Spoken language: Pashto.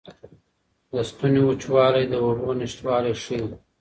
د ستوني وچوالی د اوبو نشتوالی ښيي.